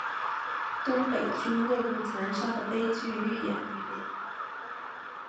东北军内部残杀的悲剧愈演愈烈。